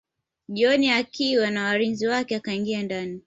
Jioni akiwa na walinzi wake akaingia ndani